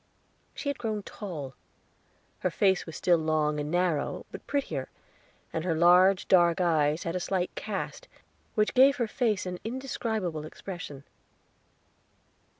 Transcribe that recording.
She had grown tall; her face was still long and narrow, but prettier, and her large, dark eyes had a slight cast, which gave her face an indescribable expression.